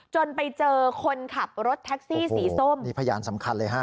จนไปเจอคนขับรถแท็กซี่สีส้มนี่พยานสำคัญเลยฮะ